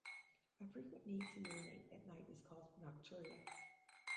A frequent need to urinate at night is called nocturia.